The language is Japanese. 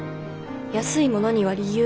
安いものには理由がある。